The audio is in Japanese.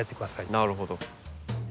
なるほど。